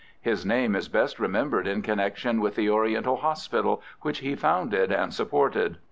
His name is best remembered in connection with the Oriental Hospital, which he founded and supported.